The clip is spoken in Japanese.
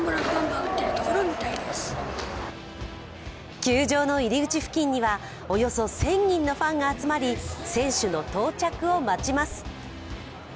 球場の入り口付近にはおよそ１０００人のファンが集まり選手の到着を待ちます。